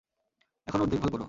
এখন ওর দেখভাল করো।